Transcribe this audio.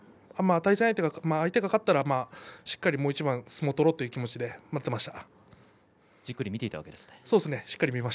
対戦相手が相手が勝ったらしっかりもう一番相撲を取ろうという気持ちで待っていました。